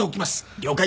了解。